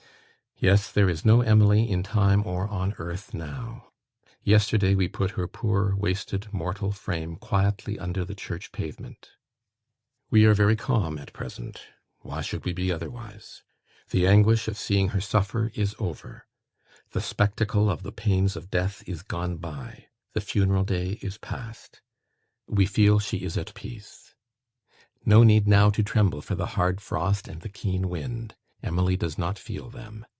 Yes; there is no Emily in time or on earth now. Yesterday we put her poor, wasted, mortal frame quietly under the church pavement. We are very calm at present. Why should we be otherwise? The anguish of seeing her suffer is over; the spectacle of the pains of death is gone by; the funeral day is past. We feel she is at peace. No need now to tremble for the hard frost and the keen wind. Emily does not feel them.